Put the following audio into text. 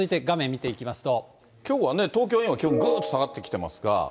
きょうはね、東京は今、気温、ぐっと下がってきてますが。